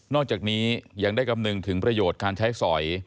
อกจากนี้ยังได้คำนึงถึงประโยชน์การใช้สอย